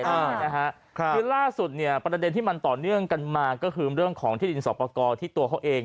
คือล่าสุดเนี่ยประเด็นที่มันต่อเนื่องกันมาก็คือเรื่องของที่ดินสอบประกอบที่ตัวเขาเอง